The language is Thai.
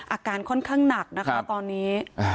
อาการค่อนข้างหนักนะคะตอนนี้